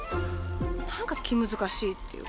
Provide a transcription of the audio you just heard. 何か気難しいっていうか。